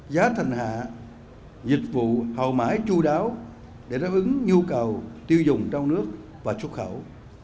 giá thành hạ dịch vụ hậu mãi chú đáo để đáp ứng nhu cầu tiêu dùng trong nước và xuất khẩu